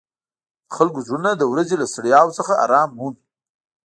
د خلکو زړونه د ورځې له ستړیاوو څخه آرام مومي.